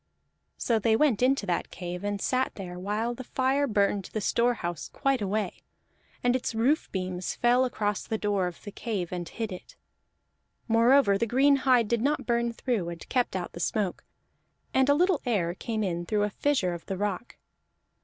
So they went into that cave and sat there, while the fire burned the storehouse quite away, and its roof beams fell across the door of the cave and hid it. Moreover the green hide did not burn through, and kept out the smoke; and a little air came in through a fissure of the rock.